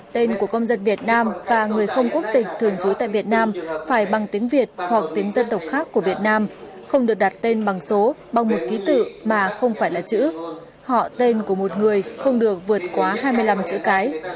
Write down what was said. tên của công dân việt nam và người không quốc tịch thường trú tại việt nam phải bằng tiếng việt hoặc tiếng dân tộc khác của việt nam không được đặt tên bằng số bằng một ký tự mà không phải là chữ họ tên của một người không được vượt quá hai mươi năm chữ cái